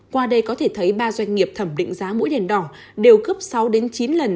qua đây có thể thấy ba doanh nghiệp thẩm định giá mũi đèn đỏ đều gấp sáu chín lần